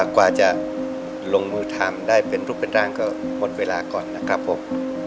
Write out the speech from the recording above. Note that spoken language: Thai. กว่าจะลงมือทำได้ก็หมดเวลาก่อนน่ะครับ